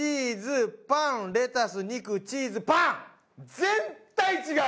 絶対違う。